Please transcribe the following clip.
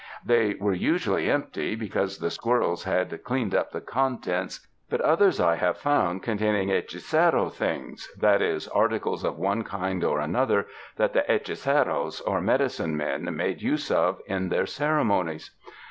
They were usually empty, because the squirrels had cleaned up the contents, 89 UNDER THE SKY IN CALIFORNIA but others I have found containing hechicero things, that is, articles of one kind or another that the liechiceros, or medicine men, made use of in their ceremonies.